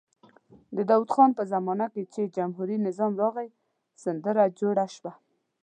د داود خان په زمانه کې چې جمهوري نظام راغی سندره جوړه شوه.